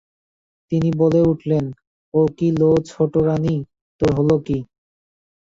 তিনি বলে উঠলেন, ও কী লো ছোটোরানী, তোর হল কী?